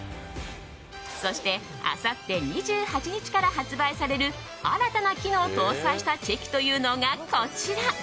そしてあさって２８日から発売される新たな機能を搭載したチェキというのが、こちら。